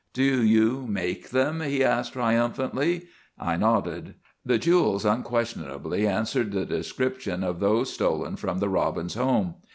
"Do you make them?" he asked, triumphantly. I nodded. The jewels unquestionably answered the description of those stolen from the Robbins home.